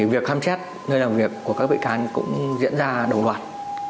việc khám xét nơi làm việc của các bị can cũng diễn ra đồng loạt